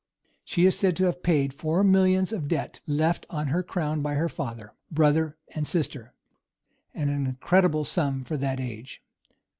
She is said to have paid four millions of debt, left on the crown by her father, brother, and sister; an incredible sum for that age.